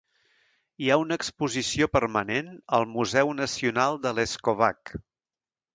Hi ha una exposició permanent al museu nacional de Leskovac.